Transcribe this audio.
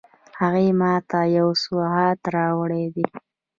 هغې ما ته یو سوغات راوړی ده